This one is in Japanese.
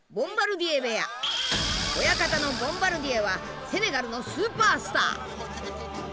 親方のボンバルディエはセネガルのスーパースター。